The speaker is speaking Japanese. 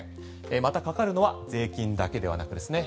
また、かかるのは税金だけではなくてですね